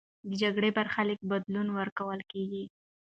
د جګړې برخلیک بدلون ورکول کېږي.